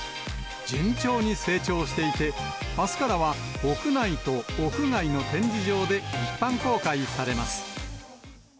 順調に成長していて、あすからは、屋内と屋外の展示場で一般公開されます。